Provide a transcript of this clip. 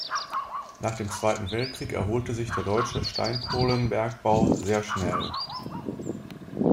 Nach dem Zweiten Weltkrieg erholte sich der deutsche Steinkohlenbergbau sehr schnell.